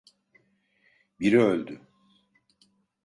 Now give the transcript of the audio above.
Biri öldü.